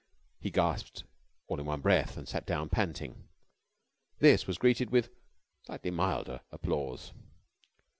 he gasped all in one breath, and sat down panting. This was greeted with slightly milder applause.